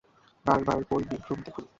Barber pole বিভ্রম দেখুন।